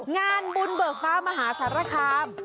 งานบุญเบอร์ฟ้ามหาศรภาม